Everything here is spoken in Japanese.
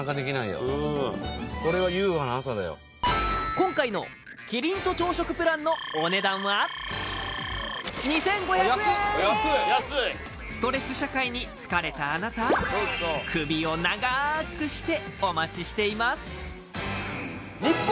今回のキリンと朝食プランのお値段はストレス社会に疲れたあなた首を長くしてお待ちしています！